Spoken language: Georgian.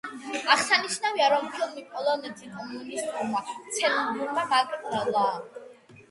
აღსანიშნავია, რომ ფილმი პოლონეთის კომუნისტურმა ცენზურამ აკრძალა.